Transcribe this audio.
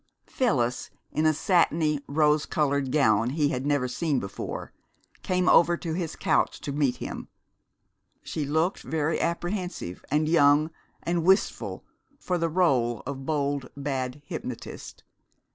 Phyllis, in a satiny rose colored gown he had never seen before, came over to his couch to meet him. She looked very apprehensive and young and wistful for the rôle of Bold Bad Hypnotist.